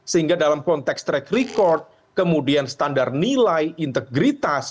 sehingga dalam konteks track record kemudian standar nilai integritas